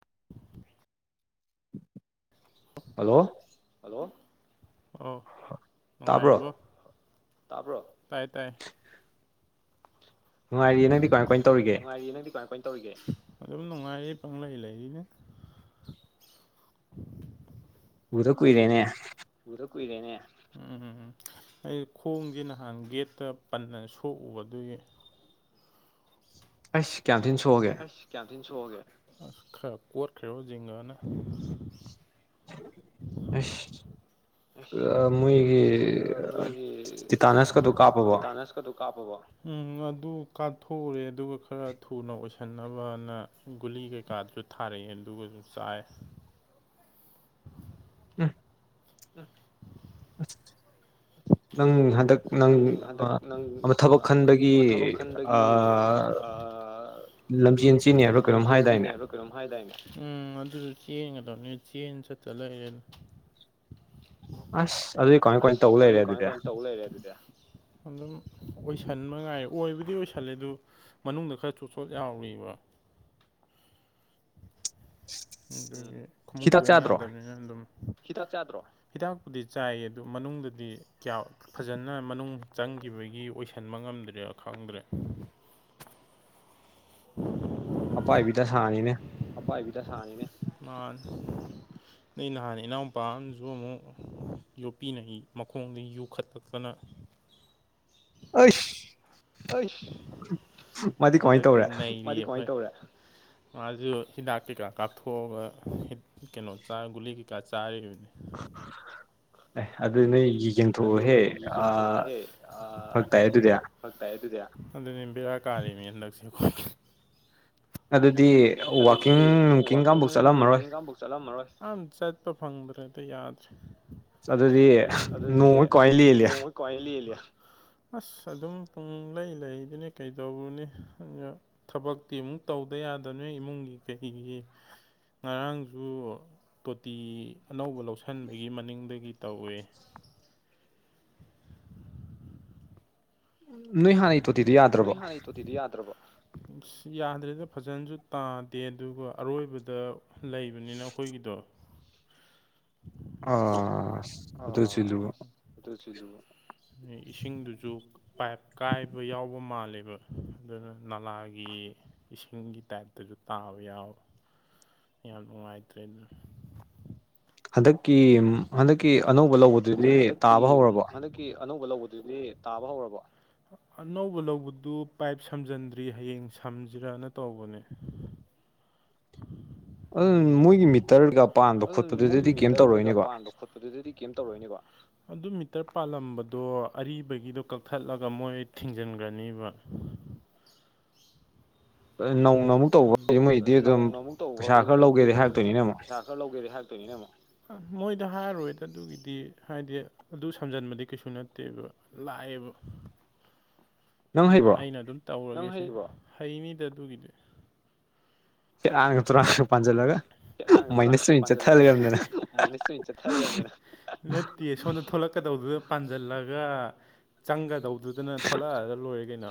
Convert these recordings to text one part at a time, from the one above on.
[inaudible] hello hello ꯑꯣ ꯅꯨꯡꯉꯥꯏꯔꯤꯕꯣ ꯇꯥꯕ꯭ꯔꯣ ꯇꯥꯕ꯭ꯔꯣ ꯇꯥꯏꯌꯦ ꯇꯥꯏ ꯅꯨꯡꯉꯥꯏꯔꯤꯌꯦ ꯅꯪꯗꯤ ꯀꯃꯥꯏ ꯀꯃꯥꯏꯅ ꯇꯧꯔꯤꯒꯦ ꯅꯨꯡꯉꯥꯏꯔꯤ ꯅꯪꯗꯤ ꯀꯍꯥꯏ ꯀꯃꯥꯏ ꯇꯧꯔꯤꯒꯦ ꯑꯗꯨꯝ ꯅꯨꯡꯉꯥꯏꯔꯤꯌꯦ ꯄꯪ ꯂꯩ ꯂꯩꯔꯤꯅꯦ ꯎꯗ ꯀꯨꯏꯔꯦꯅꯦ ꯎꯗ ꯀꯨꯏꯔꯦꯅꯦ ꯎꯝ ꯑꯩ ꯈꯣꯡꯁꯦ ꯅꯍꯥꯟ ꯒꯦꯠꯇ ꯄꯟꯅ ꯁꯣꯛꯎꯕ ꯑꯗꯨꯒꯤ ꯑꯩꯁ ꯀꯌꯥꯝ ꯊꯤꯅ ꯁꯣꯛꯑꯒꯦ ꯑꯩꯁ ꯀꯌꯥꯝꯇꯤꯅ ꯁꯣꯛꯑꯒꯦ ꯑꯁ ꯈꯔ ꯀꯣꯠꯈ꯭ꯔꯦꯕꯣ ꯖꯤꯡꯒꯅ ꯑꯁ ꯑꯥ ꯃꯣꯏꯒꯤ ꯃꯣꯏꯒꯤ ꯇꯤꯇꯥꯅꯁꯀꯗꯣ ꯀꯥꯞꯄꯕꯣ ꯇꯤꯇꯥꯅꯁꯀꯗꯣ ꯀꯥꯞꯄꯕꯣ ꯎꯝ ꯑꯗꯨ ꯀꯥꯞꯊꯣꯛꯎꯔꯦ ꯑꯗꯨꯒ ꯈꯔ ꯊꯨꯅ ꯑꯣꯏꯁꯟꯅꯕꯅ ꯒꯨꯂꯤ ꯀꯩꯀꯥꯗꯨꯁꯨ ꯊꯥꯔꯛꯑꯦ ꯑꯗꯨꯒꯁꯨ ꯆꯥꯏ ꯑꯝ ꯑꯝ ꯅꯪ ꯍꯟꯗꯛ ꯅꯪ ꯍꯟꯗꯛ ꯅꯪ ꯑꯃ ꯊꯕꯛ ꯈꯟꯕꯒꯤ ꯑꯃ ꯊꯕꯛ ꯈꯟꯕꯒꯤ ꯑꯥ ꯂꯝꯖꯦꯟ ꯆꯦꯟꯅꯤ ꯍꯥꯢꯕ꯭ꯔꯥ ꯀꯩꯅꯣꯝ ꯂꯝꯖꯦꯟ ꯍꯥꯏꯗꯥꯏꯅꯦ ꯆꯦꯟꯅꯦꯕ꯭ꯔꯥ ꯀꯩꯅꯣꯝ ꯍꯥꯢꯗꯥꯢꯅꯦ ꯎꯝ ꯑꯗꯨꯁꯨ ꯆꯦꯟꯒꯗꯕꯅꯤ ꯆꯦꯟ ꯆꯠꯇ ꯂꯩꯔꯦꯗ ꯑꯁ ꯑꯗꯨꯗꯤ ꯀꯃꯥꯏ ꯀꯃꯥꯏꯅ ꯑꯁ ꯇꯧ ꯂꯩꯔꯦ ꯑꯗꯨꯗꯤ ꯀꯃꯥꯏ ꯀꯃꯥꯏꯅ ꯇꯧꯔ ꯂꯩꯔꯦ ꯑꯗꯨꯗꯤ ꯑꯗꯨꯝ ꯑꯣꯏꯁꯟꯕ ꯉꯥꯏ ꯑꯣꯏꯕꯨꯗꯤ ꯑꯣꯏꯁꯜꯂꯦ ꯑꯗꯨ ꯃꯅꯨꯡꯗ ꯈꯔ ꯆꯣꯠ ꯆꯣꯠ ꯂꯥꯎꯔꯤꯕ ꯑꯗꯨꯒꯤ ꯈꯣꯡꯎꯨꯛ ꯍꯤꯗꯥꯛ ꯇꯣꯡ ꯆꯥꯗ꯭ꯔꯣ ꯌꯥꯗꯕꯅꯤꯅ ꯑꯗꯨꯝ ꯍꯤꯗꯥꯛ ꯆꯥꯗ꯭ꯔꯣ ꯍꯤꯗꯥꯛꯄꯨꯗꯤ ꯆꯥꯏ ꯑꯗꯨ ꯃꯅꯨꯡꯗꯗꯤ ꯀꯌꯥ ꯐꯖꯅ ꯃꯅꯨꯡ ꯆꯪꯈꯤꯕꯒꯤ ꯑꯣꯏꯁꯟꯕ ꯉꯝꯗ꯭ꯔꯦ ꯈꯪꯗ꯭ꯔꯦ ꯑꯄꯥꯏꯕꯤ ꯗꯥꯁꯥꯅꯤꯅꯦ ꯑꯄꯥꯏꯕꯤ ꯗꯁꯥꯅꯤꯅꯦ ꯃꯥꯅꯦ ꯑꯩ ꯅꯍꯥꯟ ꯏꯅꯥꯎꯄꯥ ꯑꯃꯁꯨ ꯑꯃꯨꯛ ꯌꯣꯠꯄꯤꯅ ꯢ ꯃꯈꯣꯡꯗ ꯌꯨꯈꯠꯂꯛꯇꯅ ꯑꯩꯁ ꯑꯩꯁ ꯃꯥꯗꯤ ꯀꯃꯥꯏꯅ ꯍꯟꯗꯥꯛꯇꯤ ꯇꯧꯔꯦ ꯅꯩꯔꯤꯌꯦ ꯃꯥꯗꯤ ꯀꯃꯥꯢ ꯇꯧꯒ꯭ꯔꯦ ꯃꯥꯁꯨ ꯍꯤꯗꯥꯛ ꯀꯩꯀꯥ ꯀꯥꯞꯊꯣꯛꯑꯒ ꯀꯩꯅꯣ ꯆꯥ ꯒꯨꯂꯤ ꯀꯩꯀꯥ ꯆꯥꯔꯤꯕꯅꯤ ꯑꯦ ꯑꯗꯨ ꯅꯣꯏ ꯑꯦ ꯑꯗꯨ ꯌꯦꯡꯊꯣꯛꯑꯣꯍꯦ ꯅꯣꯏ ꯑꯥ ꯌꯦꯡꯊꯣꯛꯑꯣꯍꯦ ꯐꯔꯛ ꯇꯥꯏꯍꯦ ꯑꯗꯨꯗꯤ ꯐꯔꯛ ꯇꯥꯏꯍꯦ ꯑꯗꯨꯗꯤ ꯑꯗꯨꯅꯦ ꯕꯦꯔꯥ ꯀꯥꯜꯔꯦꯃꯦ ꯍꯟꯗꯛꯁꯦ ꯑꯩꯈꯣꯏ ꯑꯗꯨꯗꯤ ꯑꯗꯨꯗꯤ ꯋꯥꯛꯀꯤꯡ ꯅꯨꯡꯀꯤꯡꯒ ꯋꯥꯛꯀꯤꯡ ꯑꯃꯐꯥꯎ ꯆꯠꯂꯝꯃꯔꯣꯏ ꯅꯨꯡꯀꯤꯡꯒ ꯑꯝꯐꯥꯎ ꯆꯠꯂꯝꯃꯔꯣꯏ ꯌꯥꯝ ꯆꯠꯄ ꯐꯪꯗ꯭ꯔꯦꯗ ꯌꯥꯗ꯭ꯔꯦ ꯑꯗꯨꯗꯤ ꯑꯗꯨꯗꯤ ꯅꯣꯡꯃ ꯀꯃꯥꯏꯅ ꯂꯦꯜꯂꯤ ꯅꯣꯡꯃ ꯀꯃꯥꯢ ꯂꯦꯜꯂꯤ ꯑꯁ ꯑꯗꯨꯝ ꯄꯨꯡ ꯂꯩ ꯂꯩꯗꯨꯅꯤ ꯀꯩꯗꯧꯔꯨꯅꯤ ꯑꯩꯩꯅ ꯊꯕꯛꯇꯤ ꯑꯃꯨꯛ ꯇꯧꯗ ꯌꯥꯗꯕꯅꯤꯅ ꯏꯃꯨꯡꯒꯤ ꯀꯩꯒꯤ ꯉꯔꯥꯡꯁꯨ ꯇꯣꯇꯤ ꯑꯅꯧꯕ ꯂꯧꯁꯤꯟꯕꯒꯤ ꯃꯅꯤꯡꯗꯒꯤ ꯇꯧꯋꯦ ꯅꯣꯏ ꯍꯥꯟꯅꯒꯤ ꯇꯣꯇꯤꯗꯨ ꯌꯥꯗ꯭ꯔꯕꯣ ꯅꯣꯏ ꯍꯥꯟꯅꯩ ꯇꯣꯇꯤꯗꯨ ꯌꯥꯗ꯭ꯔꯕꯣ ꯑꯁ ꯌꯥꯗ꯭ꯔꯦꯗ ꯐꯖꯅꯁꯨ ꯇꯥꯗꯦ ꯑꯗꯨꯒ ꯑꯔꯣꯏꯕꯗ ꯂꯩꯕꯅꯤꯅ ꯑꯩꯈꯣꯏꯒꯤꯗꯣ ꯑꯥ ꯑꯥ ꯑꯗꯨꯁꯨꯂꯨꯕ ꯑꯗꯨꯁꯨ ꯆꯨꯝꯃꯤ ꯑꯗꯩ ꯏꯁꯤꯡꯗꯨꯁꯨ ꯄꯥꯏꯞ ꯀꯥꯏꯕ ꯌꯥꯎꯕ ꯃꯥꯜꯂꯦꯕ ꯑꯗꯨꯅ ꯅꯂꯥꯒꯤ ꯏꯁꯤꯡꯒꯤ ꯇꯥꯏꯞꯇꯁꯨ ꯇꯥꯕ ꯌꯥꯎꯋꯦ ꯌꯥꯝ ꯅꯨꯡꯉꯥꯏꯇ꯭ꯔꯦ ꯑꯗꯨꯅ ꯍꯟꯗꯛꯀꯤ ꯍꯟꯗꯛꯀꯤ ꯑꯅꯧꯕ ꯂꯧꯕꯗꯨꯗꯤ ꯍꯟꯗꯛꯀꯤ ꯇꯥꯕ ꯍꯧꯔꯕꯣ ꯍꯟꯗꯛꯀꯤ ꯑꯅꯧꯕ ꯂꯧꯕꯗꯨꯗꯤ ꯇꯥꯕ ꯍꯧꯔꯕꯣ ꯑꯅꯧꯕ ꯂꯧꯕꯗꯨ ꯄꯥꯏꯞ ꯁꯝꯖꯤꯟꯗ꯭ꯔꯤ ꯍꯌꯦꯡ ꯁꯝꯖꯤꯔꯅ ꯇꯧꯕꯅꯦ ꯑꯗꯨ ꯎꯝ ꯃꯣꯏꯒꯤ ꯃꯤꯇꯔ ꯀꯩꯀꯥ ꯄꯥꯟꯕ ꯑꯗꯨ ꯃꯣꯏꯒꯤ ꯈꯣꯠꯄꯗꯨꯗꯗꯤ ꯀꯩꯝ ꯃꯤꯇꯔ ꯀꯩꯀꯥ ꯇꯧꯔꯛꯑꯣꯏꯅꯦꯀꯣ ꯄꯥꯟꯕ ꯈꯣꯠꯄꯗꯨꯗꯗꯤ ꯀꯩꯝ ꯇꯧꯔꯛꯑꯣꯏꯅꯦꯀꯣ ꯑꯗꯨ ꯃꯤꯇꯔ ꯄꯥꯜꯂꯝꯕꯗꯣ ꯑꯔꯤꯕꯒꯤꯗꯣ ꯀꯛꯊꯠꯂꯒ ꯃꯣꯏ ꯊꯤꯡꯖꯟꯈ꯭ꯔꯅꯦꯕ ꯑ ꯅꯧꯅ ꯑꯃꯨꯛ ꯇꯧꯕ ꯍꯥꯏꯗꯤ ꯑ ꯃꯣꯏꯗꯤ ꯑꯗꯨꯝ ꯅꯧꯅ ꯑꯃꯨꯛ ꯇꯧꯕ ꯄꯩꯁꯥ ꯈꯔ ꯃꯣꯏꯗꯤ ꯂꯧꯒꯦꯗꯤ ꯑꯗꯨꯝ ꯍꯥꯏꯔꯛꯇꯣꯏꯅꯤꯅꯦ ꯑꯃꯨꯛ ꯄꯩꯁꯥ ꯈꯔ ꯂꯧꯒꯦꯗꯤ ꯍꯥꯏꯔꯛꯇꯣꯏꯅꯤꯅꯦ ꯑꯃꯨꯛ ꯑ ꯃꯣꯏꯗ ꯍꯥꯏꯔꯣꯏꯗ ꯑꯗꯨꯒꯤꯗꯤ ꯍꯥꯏꯗꯤ ꯑꯗꯨ ꯁꯝꯖꯟꯕꯗꯤ ꯀꯩꯁꯨ ꯅꯠꯇꯦꯕ ꯂꯥꯏꯕ ꯅꯪ ꯎꯝ ꯍꯩꯕ꯭ꯔꯣ ꯑꯩꯅ ꯑꯗꯨꯝ ꯇꯧꯔ ꯅꯪ ꯑꯩ ꯍꯩꯅꯤꯗ ꯑꯗꯨꯒꯤꯗꯤ ꯁꯦꯔꯥꯥꯟꯒ ꯇꯨꯔꯥꯟꯒ ꯄꯥꯟꯁꯤꯜꯂꯒ ꯇꯦꯔꯥꯡꯒ ꯃꯥꯏꯅꯁ ꯑꯣꯏ ꯆꯠꯊ ꯂꯩꯔꯝꯗꯅ ꯆꯠꯊ ꯂꯩꯔꯝꯗꯅ ꯅꯠꯇꯥꯌꯦ ꯁꯣꯝꯗ ꯊꯣꯂꯛꯀꯗꯧꯗꯨꯗ ꯄꯥꯟꯁꯤꯜꯂꯒ ꯆꯪꯒꯗꯧ ꯗꯨꯗꯨꯅ ꯊꯣꯂꯛꯍꯜꯂ ꯂꯣꯏꯔꯦ ꯀꯩꯅꯣ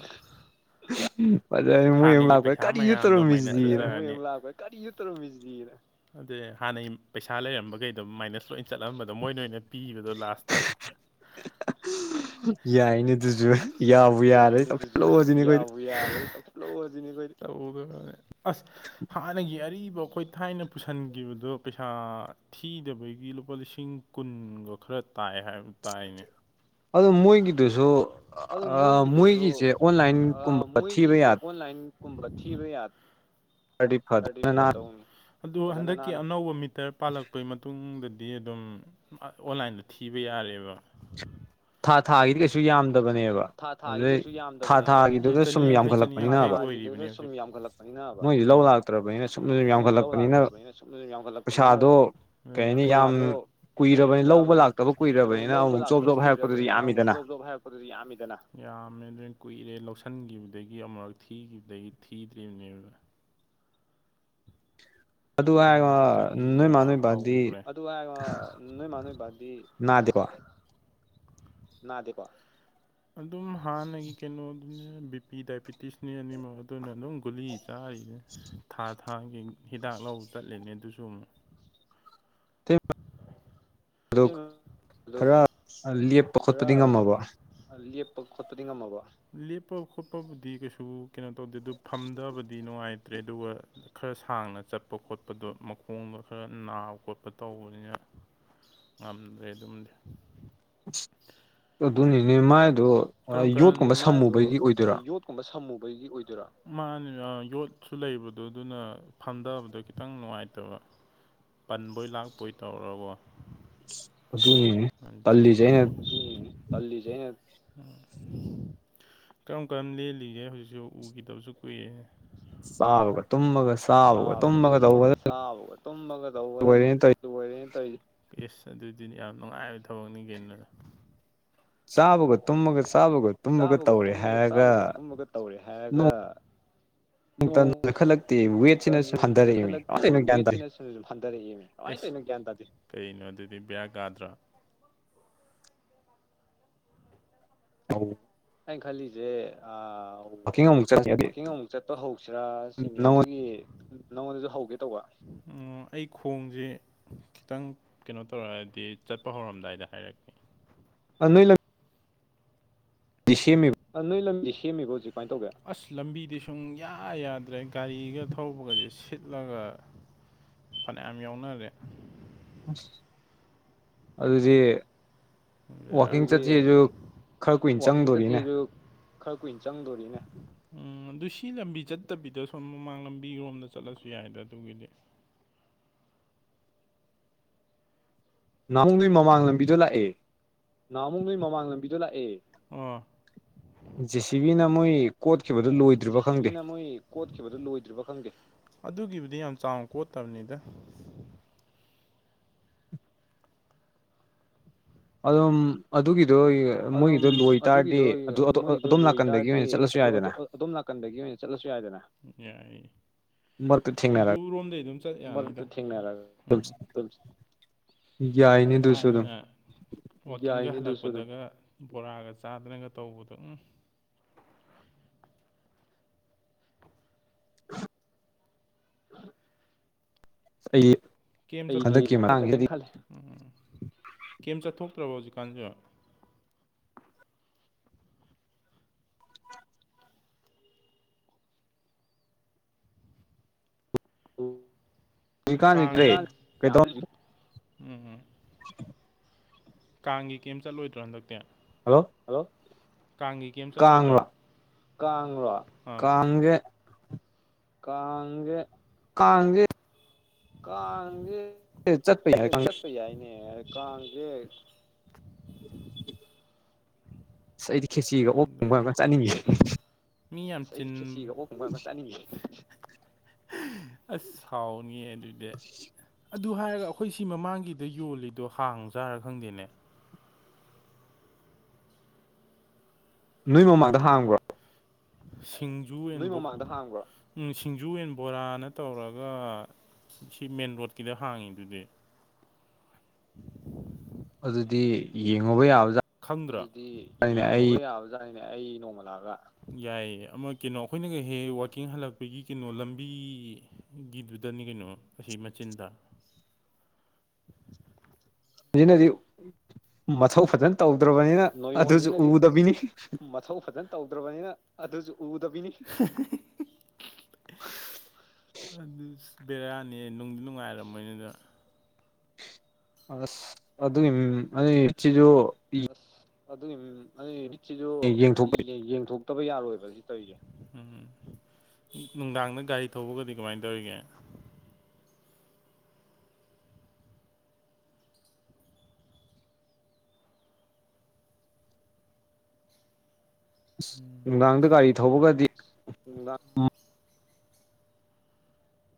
ꯑꯗꯩ ꯃꯣꯏ ꯑꯃꯨꯛ ꯍꯥꯟꯅꯒꯤ ꯂꯥꯛꯄꯗ ꯄꯩꯁꯥ ꯀꯔꯤꯅꯣ ꯃꯌꯥꯝꯗꯣ ꯃꯥꯏꯅꯁ ꯇꯧꯔꯝꯃꯤꯁꯤꯅ ꯆꯠꯆꯔꯅꯤ [inaudible] ꯀꯔꯤꯅꯣ ꯇꯧꯔꯝꯃꯤꯁꯤꯗꯤꯅ ꯑꯗꯩ ꯍꯥꯟꯅꯩ ꯄꯩꯁꯥ ꯂꯩꯔꯝꯕꯈꯩ ꯑꯗꯨꯝ ꯃꯥꯏꯅꯁ ꯂꯣꯏꯅ ꯆꯠꯂꯝꯕꯗꯣ ꯃꯣꯏꯅ ꯑꯣꯏꯅ ꯄꯤꯕꯗꯣ ꯂꯥꯁꯇ ꯌꯥꯏꯅꯦ ꯑꯗꯨꯁꯨ ꯌꯥꯎꯕꯨ ꯌꯥꯔꯗꯤ ꯌꯥꯏꯅꯦ ꯑꯗꯨꯁꯨ ꯇꯧꯁꯜꯂꯣꯁꯤꯅꯦ ꯑꯩꯈꯣꯏꯗꯤ ꯌꯥꯕꯨ ꯌꯥꯔꯗꯤ ꯇꯧꯁꯜꯂꯣꯁꯤꯅꯦ ꯑꯩꯈꯣꯏꯗꯤ ꯇꯧꯒꯗꯕꯅꯦ ꯍꯥꯟꯅꯒꯤ ꯑꯔꯤꯕ ꯑꯩꯈꯣꯏ ꯊꯥꯏꯅ ꯄꯨꯁꯟꯈꯤꯕꯗꯣ ꯄꯩꯁꯥ ꯊꯤꯗꯕꯒꯤ ꯂꯨꯄꯥ ꯂꯤꯁꯤꯡ ꯀꯨꯟꯒ ꯈꯔ ꯇꯥꯏ ꯍꯥꯏꯕ ꯇꯥꯏꯅꯦ ꯑꯗꯣ ꯃꯣꯏꯒꯤꯗꯨꯁꯨ ꯑꯗꯨ ꯃꯣꯏꯒꯤꯗꯨꯁꯨ ꯃꯣꯏꯒꯤꯁꯦ ꯑ ꯑꯣꯟꯂꯥꯏꯟꯒꯨꯝꯕ ꯊꯤꯕ ꯃꯣꯏꯒꯤꯁꯦ ꯑꯣꯟꯂꯥꯏꯟ ꯀꯨꯝꯕ ꯊꯤꯕ ꯌꯥ ꯌꯥꯇꯥꯔꯗꯤ ꯐꯗ [inaudible] ꯑꯗꯨ ꯍꯟꯗꯛꯀꯤ ꯑꯅꯧꯕ ꯃꯤꯇꯔ ꯄꯥꯜꯂꯛꯄꯒꯤ ꯃꯇꯨꯡꯗꯗꯤ ꯑꯗꯨꯝ ꯑꯣꯟꯂꯥꯏꯟꯗ ꯊꯤꯕ ꯌꯥꯔꯦꯕ ꯊꯥ ꯊꯥꯒꯤꯗꯤ ꯀꯩꯁꯨ ꯌꯥꯝꯗꯕꯅꯦꯕ ꯊꯥ ꯊꯥꯒꯤꯗꯤ ꯑꯗꯨꯗꯩ ꯀꯩꯁꯨ ꯊꯥ ꯌꯥꯝꯗꯕꯅꯦꯕ ꯎꯝ ꯊꯥꯒꯤꯗꯨꯗ ꯁꯨꯝ ꯆꯅꯤ ꯌꯥꯡꯈꯩ ꯆꯅꯤ ꯌꯥꯝꯈꯠꯂꯛꯄꯅꯤꯅꯕ ꯌꯥꯡꯈꯩ [inaudible] ꯌꯥꯝꯈꯠꯂꯛ ꯄꯅꯤꯅꯕ ꯃꯣꯏꯗꯤ ꯂꯧ ꯎꯝ ꯂꯥꯛꯇ꯭ꯔꯕꯅꯤꯅ ꯁꯨꯝ ꯁꯨꯝ ꯃꯣꯏꯁꯨ ꯂꯧ ꯌꯥꯝꯈꯠꯂꯛꯄꯅꯤꯅ ꯂꯥꯛꯇ꯭ꯔꯕꯅꯤꯅ ꯁꯨꯝ ꯁꯨꯝ ꯌꯥꯝꯈꯠꯂꯛꯄꯅꯤꯅ ꯄꯩꯁꯥꯗꯣ ꯀꯩ ꯑꯗꯨꯅꯦ ꯍꯥꯏꯅꯤ ꯌꯥꯝ ꯄꯩꯁꯥꯗꯣ ꯀꯩ ꯍꯥꯏꯅꯤ ꯀꯨꯏꯔꯕꯅꯤ ꯌꯥꯝ ꯂꯧꯕ ꯂꯥꯛꯇꯕ [inaudible] ꯀꯨꯏꯔꯕꯅꯤꯅ ꯂꯧꯕ ꯑꯃꯨꯛ ꯖꯣꯕ ꯂꯥꯛꯇꯕ ꯖꯣꯕ ꯍꯥꯏꯔꯛꯄꯗꯨꯗꯤ ꯀꯨꯏꯔꯕꯅꯤꯅ ꯑꯃꯨꯛ ꯌꯥꯝꯃꯤꯗꯅ ꯖꯣꯕ ꯖꯣꯕ ꯍꯥꯏꯔꯛꯄꯗꯨꯗꯤ ꯌꯥꯝꯃꯤ ꯗꯨꯅ ꯌꯥꯝꯃꯦ ꯑꯗꯨ ꯀꯨꯏꯔꯦ ꯂꯧꯁꯤꯟꯈꯤꯕꯗꯒꯤ ꯑꯃꯨꯛꯔꯛ ꯊꯤꯈꯤꯕꯗꯒꯤ ꯊꯤꯗ꯭ꯔꯤꯕꯅꯦꯕ ꯑꯗꯨ ꯍꯥꯏꯔꯒ ꯆꯍꯤ ꯅꯣꯏꯃꯥ ꯀꯌꯥ ꯅꯣꯏꯕꯥꯗꯤ ꯍꯧꯈ꯭ꯔꯦ ꯑꯗꯨ ꯍꯥꯏꯔꯒ ꯅꯣꯏ ꯃꯥ ꯅꯣꯏ ꯕꯥꯗꯤ ꯅꯥꯗꯦꯀꯣ [unintelligible] ꯅꯥꯗꯦꯀꯣ ꯑꯗꯨꯝ ꯍꯥꯟꯅꯒꯤ ꯀꯩꯅꯣꯗꯨꯅꯦ ꯕꯤꯄꯤ ꯗꯥꯏꯕꯤꯇꯤꯁꯅꯤ ꯑꯅꯤꯃꯛ ꯑꯗꯨꯅ ꯑꯗꯨꯝ ꯒꯨꯂꯤꯁꯦ ꯆꯥꯔꯤꯗ ꯊꯥ ꯊꯥꯒꯤ ꯍꯤꯗꯥꯛ ꯂꯧꯕ ꯆꯠꯂꯤꯅꯦ ꯑꯗꯨꯁꯨ ꯑꯃꯨꯛ [inaudible] ꯑꯗꯨ ꯈꯔ ꯂꯦꯞ ꯈꯔ ꯂꯦꯞꯄ ꯈꯣꯠꯄꯗꯤ ꯉꯝꯃꯕꯣ ꯂꯦꯞꯄ ꯈꯣꯠꯄꯕꯨꯗꯤ ꯀꯩꯁꯨ ꯀꯩꯅꯣ ꯇꯧꯗꯦ ꯑꯗꯨ ꯐꯝꯗꯕꯗꯤ ꯅꯨꯡꯉꯥꯏꯇ꯭ꯔꯦ ꯑꯗꯨꯒ ꯈꯔ ꯁꯥꯡꯅ ꯆꯠꯄ ꯈꯣꯠꯄꯗꯣ ꯃꯈꯣꯡꯗꯣ ꯈꯔ ꯅꯥꯕ ꯈꯣꯠꯄ ꯇꯧꯕꯅꯤꯅ ꯉꯝꯗ꯭ꯔꯦ ꯑꯗꯨꯝꯗꯤ ꯑꯗꯨꯅꯤꯅꯦ ꯃꯥꯏꯗꯣ ꯀꯔꯝ ꯀꯔꯝꯕ ꯌꯣꯠꯀꯨꯝꯕ ꯃꯥꯏꯗꯣ ꯁꯝꯃꯨꯕꯒꯤ ꯑꯣꯏꯗꯣꯏꯔꯥ ꯌꯣꯠ [inaudible] ꯁꯝꯃꯨꯕꯒꯤ ꯑꯣꯏꯗꯣꯏꯔꯣ ꯃꯥꯅꯦ ꯌꯣꯠꯁꯨ ꯂꯩꯕꯗꯣ ꯑꯗꯨꯅ ꯐꯝꯊꯕꯗꯣ ꯈꯤꯇꯪ ꯅꯨꯡꯉꯥꯏ ꯇꯕ ꯄꯟꯕꯣꯏ ꯂꯥꯛꯄꯣꯏ ꯇꯧꯔꯒ ꯀꯣ ꯑꯗꯨꯅꯤꯅꯦ ꯇꯜꯂꯤꯁꯦ ꯑꯩꯅ [inaudible] [inaudible] ꯀꯔꯝ ꯀꯔꯝ ꯂꯦꯜꯂꯤꯒꯦ ꯍꯧꯖꯤꯛꯁꯨ ꯎꯈꯤꯗꯕꯁꯨ ꯀꯨꯏꯔꯦ ꯆꯥꯕꯒ ꯇꯨꯝꯕꯒ ꯆꯥꯕꯒ ꯇꯨꯝꯕꯒ ꯆꯥꯕꯒ ꯇꯨꯝꯕꯒ ꯇꯧꯕꯗ ꯑꯣꯏꯔꯦꯅ ꯇꯧ ꯂꯣꯏꯔꯦꯅꯦ ꯇꯧꯔꯤꯁꯤ ꯏꯁ ꯑꯗꯨꯗꯤ ꯌꯥꯝ ꯅꯨꯡꯉꯥꯏꯕ ꯊꯕꯛꯅꯤ ꯀꯩꯅꯣ ꯆꯥꯕꯒ ꯇꯨꯝꯃꯒ ꯆꯥꯕꯒ ꯇꯨꯝꯃꯒ ꯆꯥꯕꯒ ꯇꯧꯔꯦ ꯇꯨꯝꯕꯒ ꯆꯥꯕꯒ ꯍꯥꯏꯔꯒ ꯇꯨꯝꯕꯒ ꯇꯧꯔꯦ ꯍꯥꯏꯔꯒ ꯅꯣꯡꯇ ꯅꯣꯡ ꯅꯣꯏꯈꯠꯂꯛꯇꯦ ꯇꯜ ꯋꯦꯠꯁꯤꯅꯁꯨ ꯍꯟꯊꯔꯛꯏꯃꯤ ꯀꯃꯥꯏꯅ ꯅꯣꯏꯈꯜꯂꯛꯇꯦ ꯇꯧꯔꯤꯅꯣ ꯒ꯭ꯌꯥꯟ ꯇꯥꯗꯦ ꯋꯦꯠꯁꯤꯅ ꯍꯟꯊꯔꯛꯑꯦꯃꯤ ꯀꯃꯥꯏ ꯇꯧꯔꯤꯅꯣ ꯒꯌꯥꯟ ꯇꯥꯗꯦ ꯏꯁ ꯀꯩꯅꯣ ꯑꯗꯨꯗꯤ ꯕꯦꯔꯥ ꯀꯥꯗ꯭ꯔꯥ ꯑꯧ ꯑꯩꯏꯟ ꯈꯜꯂꯤꯁꯦ ꯑꯥ ꯋꯥꯀꯤꯡ ꯑꯃꯨꯛ ꯆꯠꯂꯤ ꯑꯗꯩ ꯋꯥꯀꯤꯡ ꯑꯃꯨꯛ ꯆꯠꯄ ꯍꯧꯁꯤꯔꯥ ꯁꯤꯅꯤ ꯅꯉꯣꯟꯗ ꯑꯗꯨꯒꯤ ꯅꯉꯣꯟꯗꯁꯨ ꯍꯧꯒꯦ ꯇꯧꯕ ꯑꯣ ꯑꯩ ꯈꯣꯡꯁꯦ ꯈꯤꯇꯪ ꯀꯩꯅꯣ ꯇꯧꯔꯛꯑꯗꯤ ꯆꯠꯄ ꯍꯧꯔꯝꯗꯥꯏꯗ ꯍꯥꯏꯔꯛꯀꯦ [unintelligible] [unintelligible] ꯅꯣꯏ ꯂꯝ ꯗꯤ ꯁꯦꯝꯃꯦꯕꯣ ꯍꯧꯖꯤꯛ ꯀꯃꯥꯏꯟ ꯇꯧꯒꯦ ꯑꯁ ꯂꯝꯕꯤꯗꯤ ꯁꯨꯡꯌꯥ ꯌꯥꯗ꯭ꯔꯦ ꯒꯥꯔꯤꯒ ꯊꯧꯔꯛꯄꯒꯁꯦ ꯁꯤꯠꯂꯒ ꯐꯅꯌꯥꯝ ꯌꯥꯎꯅꯔꯦ ꯑꯁ ꯑꯗꯨꯗꯤ ꯋꯥꯛꯀꯤꯡ ꯑꯗꯨꯗꯤ ꯆꯠꯁꯤꯁꯨ ꯈꯔ ꯀꯨꯏꯟ ꯋꯥꯛꯀꯤꯡ ꯆꯪꯗꯣꯔꯤꯅꯦ ꯆꯠꯁꯤꯁꯨ ꯈꯔ ꯀꯨꯏꯟ ꯆꯪꯗꯣꯔꯤꯅꯦ ꯎꯝ ꯑꯗꯨ ꯁꯤ ꯂꯝꯕꯤ ꯆꯠꯇꯕꯤꯗ ꯁꯣꯝ ꯃꯃꯥꯡ ꯂꯝꯕꯤꯔꯣꯝꯗ ꯆꯠꯂꯁꯨ ꯌꯥꯏꯗ ꯑꯗꯨꯒꯤꯗꯤ ꯅꯍꯟ ꯅꯣꯏ ꯃꯃꯥꯡ ꯂꯝꯕꯤꯗꯣ ꯂꯥꯛꯑꯦ ꯅꯍꯥꯃꯨꯛ ꯅꯣꯏ ꯃꯃꯥꯡ ꯂꯝꯕꯤꯗ ꯂꯥꯛꯑꯦ ꯑꯣ ꯖꯦ ꯁꯤ ꯕꯤꯅ ꯃꯣꯏ ꯀꯣꯠꯈꯤꯕꯗꯣ ꯂꯣꯏꯗ꯭ꯔꯤꯕꯥ ꯈꯪꯗꯦ ꯀꯣꯠꯈꯤꯕꯗꯨ ꯂꯣꯏꯗ꯭ꯔꯤꯕꯥ ꯈꯪꯗꯦ ꯑꯗꯨꯒꯤꯕꯨꯗꯤ ꯌꯥꯝ ꯆꯥꯎꯅ ꯀꯣꯠꯇꯕꯅꯤꯗ ꯑꯗꯨꯝ ꯑꯗꯨꯒꯤꯗꯣ ꯑꯗꯨꯝ ꯃꯣꯏꯒꯤꯗꯣ ꯂꯣꯏ ꯇꯥꯔꯗꯤ ꯑꯗꯨꯒꯤꯗꯣ ꯃꯣꯏꯒꯤꯗꯣ ꯑꯗꯣꯝ ꯅꯥꯀꯟꯗꯒꯤ ꯂꯣꯏꯇꯥꯔꯗꯤ ꯑꯣꯏꯅ ꯆꯠꯂꯁꯨ ꯑꯗꯣ ꯑꯗ ꯌꯥꯏꯗꯅ ꯑꯗꯣꯝ ꯅꯥꯀꯟꯗꯒꯤ ꯑꯣꯏꯅ ꯆꯠꯂꯁꯨ ꯌꯥꯏꯗꯅ ꯌꯥꯏ ꯃꯔꯛꯇ ꯊꯦꯡꯅꯔꯒ ꯑꯗꯨꯔꯣꯝꯗꯩ ꯑꯗꯨꯝ ꯆꯠ ꯌꯥꯅꯤꯗ [unintelligible] ꯌꯥꯏꯅꯦ ꯑꯗꯨꯁꯨ ꯑꯗꯨꯝ ꯊꯥꯏꯅ [unintelligible] ꯄꯗꯒ ꯕꯣꯔꯥꯒ ꯆꯥꯗꯅꯒ ꯇꯧꯕꯗꯨ ꯎꯨ [inaudible] [inaudible] ꯑꯩ [unintelligible] ꯍꯟꯗꯛꯀꯤ ꯃꯇꯥꯡꯁꯤꯗꯤ ꯎꯝ ꯀꯦꯝ ꯆꯠꯊꯣꯛꯇ꯭ꯔꯕ ꯍꯧꯖꯤꯛꯀꯥꯟꯁꯨ ꯍꯧꯖꯤꯛꯀꯥꯟꯁꯤ ꯀꯥꯡ ꯀꯔꯤ [unintelligible] ꯀꯩꯗꯧ ꯎꯝ ꯎꯝ [inaudible] ꯀꯥꯡꯒꯤ ꯀꯩꯝ ꯆꯠꯂꯣꯏꯗ꯭ꯔꯣ ꯍꯟꯗꯛꯇꯤ ꯍꯜꯂꯣ ꯍꯜꯂꯣ ꯀꯥꯡꯒꯤ ꯀꯩꯝ ꯆꯠꯂꯣꯏꯗ꯭ꯔꯣ ꯀꯥꯡꯔꯣ ꯀꯥꯡꯖꯦ ꯀꯥꯡꯖꯦ ꯀꯥꯡꯖꯦ ꯀꯥꯡꯁꯦ ꯆꯠꯄ ꯌꯥꯏ ꯀꯥꯡ ꯆꯠꯄ ꯌꯥꯏꯅꯦ ꯀꯥꯡꯁꯦ ꯑꯁ ꯑꯩꯗꯤ ꯈꯦꯆꯤꯒ ꯑꯣꯛ ꯊꯣꯡ ꯌꯥꯝ ꯑꯗꯨꯅꯦ ꯆꯥꯅꯤꯡꯉꯤꯌꯦ ꯃꯤ ꯌꯥꯝ ꯆꯤꯟ [unintelligible] ꯑꯣꯛ ꯊꯣꯡꯕ ꯌꯥꯝ ꯆꯥꯅꯤꯉꯤꯌꯦ ꯑꯁ ꯁꯥꯎꯅꯤꯌꯦ ꯑꯗꯨꯗꯦ ꯑꯗꯨ ꯍꯥꯏꯔꯒ ꯑꯩꯈꯣꯏ ꯁꯤ ꯃꯃꯥꯡꯒꯤꯗ ꯌꯣꯜꯂꯤꯗꯣ ꯍꯥꯡꯖꯥꯔꯥ ꯈꯪꯗꯦꯅꯦ ꯅꯣꯏ ꯃꯃꯥꯡꯗ ꯍꯥꯡꯕ꯭ꯔꯣ ꯁꯤꯡꯖꯨꯑꯦꯟ ꯅꯣꯏ ꯃꯃꯥꯡꯗ ꯍꯡꯕꯔꯣ ꯎꯝ ꯁꯤꯡꯖꯨꯑꯦꯟ ꯕꯣꯔꯥꯅ ꯇꯧꯔꯒ ꯁꯤ ꯃꯦꯟ ꯔꯣꯗꯀꯤꯗ ꯍꯥꯡꯉꯤꯗꯨꯗꯤ ꯑꯗꯨꯗꯤ ꯌꯦꯡꯉꯨꯕ ꯌꯥꯕꯖꯥ ꯈꯪꯗ꯭ꯔꯥ ꯑꯗꯨꯗꯤ ꯌꯦꯡꯉꯕ ꯌꯥꯕꯖꯥꯠꯅꯦ ꯑꯩ ꯅꯣꯡꯃ ꯂꯥꯛꯑꯒ ꯌꯥꯏꯌꯦ ꯑꯃ ꯀꯤꯅꯣ ꯑꯩꯈꯣꯏꯅꯒꯍꯦ ꯋꯥꯛꯀꯤꯡ ꯍꯜꯂꯛꯄꯒꯤ ꯀꯩꯅꯣ ꯂꯝꯕꯤ ꯒꯤꯗꯨꯗꯅꯤ ꯀꯩꯅꯣ ꯑꯁꯤ ꯃꯆꯤꯟꯗ [unintelligible] ꯃꯊꯧ ꯐꯖꯟ ꯇꯧꯗ꯭ꯔꯕꯅꯤꯅ ꯑꯗꯨꯁꯨ ꯎꯗꯕꯤꯅꯤ ꯊꯧ ꯐꯖꯟ ꯇꯧꯗ꯭ꯔꯕꯅꯤꯅ ꯑꯗꯨꯁꯨ ꯎꯗꯕꯤꯅꯤ ꯑꯗꯨꯁ ꯕꯤꯔꯌꯥꯅꯦ ꯅꯨꯡꯗꯤ ꯅꯨꯡꯉꯥꯏꯔꯝꯃꯣꯏꯅꯦ ꯑꯗꯣ ꯑꯁ ꯑꯗꯨꯏ ꯃꯤꯃꯤꯝ ꯑꯩ ꯁꯤꯁꯨ ꯏ ꯑꯗꯨꯏꯃꯤꯝ ꯑꯩ ꯁꯤꯁꯨ ꯌꯦꯡꯊꯣꯛꯄ ꯌꯦ ꯌꯦꯡꯊꯣꯛ ꯇꯕ ꯌꯥꯔꯣꯏꯕ꯭ꯔꯥ ꯁꯤ ꯇꯧꯔꯤꯁꯦ ꯎꯝ ꯅꯨꯡꯗꯥꯡꯗ ꯒꯥꯔꯤ ꯊꯧꯕꯒꯗꯤ ꯀꯃꯥꯏꯅ ꯇꯧꯔꯤꯒꯦ ꯑꯁ ꯅꯨꯡꯗꯥꯡꯗ ꯒꯥꯔꯤ ꯊꯧꯕꯒꯗꯤ ꯅꯨꯝꯗꯥꯡ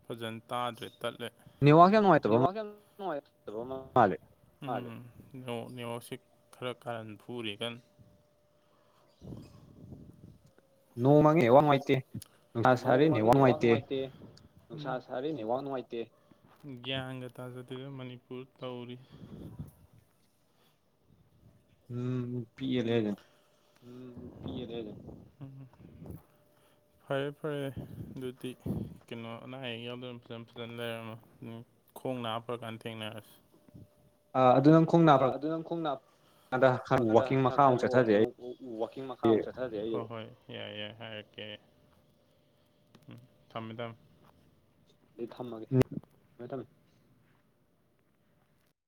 ꯐꯖꯟ ꯇꯥꯗ꯭ꯔꯦ ꯇꯠꯂꯦ ꯅꯦꯠꯋꯥꯛ ꯌꯥꯝ ꯅꯨꯡꯉꯥꯏꯇꯕ ꯅꯦꯠꯇꯥꯠ ꯌꯥꯝ ꯅꯨꯡꯉꯏ꫰ꯇꯥꯕ ꯃꯥꯜ ꯃꯥꯜꯂꯦ [unintelligible] ꯅꯦꯋꯥꯛꯁꯤ ꯈꯔ ꯀꯥꯔꯟ ꯐꯨꯨꯔꯤ ꯀꯟ ꯅꯣꯡꯃꯉꯦ ꯋꯥꯡꯉꯏꯇꯦ ꯅꯣꯡꯃꯪꯉꯤꯅꯦꯋꯥꯛ ꯅꯨꯡꯉꯥꯏꯇꯦ ꯅꯨꯡꯁꯥ ꯁꯥꯔꯦꯅꯦꯋꯥꯛ ꯅꯨꯡꯉꯥꯏꯇꯦ ꯒ꯭ꯌꯥꯟꯒ ꯇꯥꯖꯗꯦꯒ ꯃꯅꯤꯄꯨꯔ ꯇꯧꯔꯤ ꯎꯝ ꯅꯨꯄꯤꯂꯦ ꯍꯥꯏꯖꯤꯟ ꯎꯝ ꯅꯨꯄꯤꯂꯦ ꯍꯥꯏꯖꯤꯟ ꯐꯔꯦ ꯐꯔꯦ ꯑꯗꯨꯗꯤ ꯀꯩꯅꯣ ꯑꯅꯥ ꯑꯌꯦꯛ ꯌꯥꯎꯗꯟ ꯐꯤꯂꯝ ꯐꯖꯟ ꯂꯩꯔꯝꯃꯣ ꯈꯣꯡ ꯅꯥ ꯐꯔꯛꯀꯥꯟ ꯊꯦꯡꯅꯔꯁꯤ ꯑ ꯑꯗꯨꯅꯪ ꯑꯥ ꯑꯗꯨ ꯅꯪ ꯈꯣꯡ ꯅꯥꯞ ꯇꯧꯔꯀꯥꯟꯗ ꯋꯥꯛꯀꯤꯡ ꯈꯔ ꯃꯈꯥꯃꯨꯛ ꯈꯥꯏꯔꯣꯑꯣ ꯆꯠꯊꯗꯦ ꯑꯩ ꯑꯃꯨꯛ ꯋꯥꯛꯀꯤꯡ ꯃꯈꯥ ꯑꯃꯨꯛ ꯆꯠꯊꯔ ꯗꯦ ꯑꯩ ꯍꯣꯏ ꯍꯣꯏ ꯌꯥꯏ ꯌꯥꯏ ꯍꯥꯏꯔꯛꯀꯦ ꯊꯝꯃꯦ ꯊꯝ ꯑꯩ ꯊꯝꯃꯒꯦ [unintelligible]